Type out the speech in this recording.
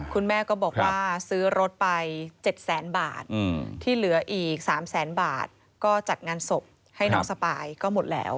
คุณแม่ก็บอกว่าซื้อรถไป๗แสนบาทที่เหลืออีก๓แสนบาทก็จัดงานศพให้น้องสปายก็หมดแล้ว